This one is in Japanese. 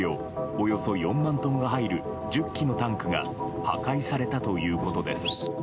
およそ４万トンが入る１０基のタンクが破壊されたということです。